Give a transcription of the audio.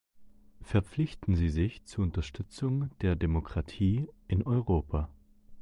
Verpflichten Sie sich zur Unterstützung der Demokratie in Europa.